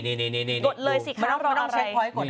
กดเลยสิครับไม่ต้องใช้พอยท์กดได้เลยเชิญ